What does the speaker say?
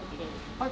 はい！